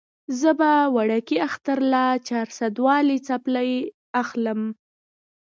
زه به وړوکي اختر له چارسدوالې څپلۍ اخلم